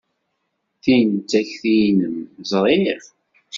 Tin d takti-nnem. Ẓriɣ.